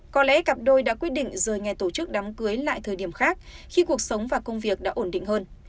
có lẽ cặp đôi đã quyết định rời ngay tổ chức đám cưới lại thời điểm khác khi cuộc sống và công việc đã ổn định hơn